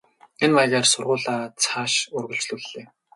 Энэ маягаар сургуулиа цааш нь үргэлжлүүллээ.